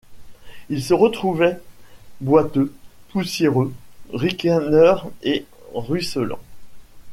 Ils se retrouvaient boiteux, poussiéreux, ricaneurs et ruisselants.